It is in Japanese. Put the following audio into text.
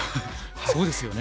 そうですよね。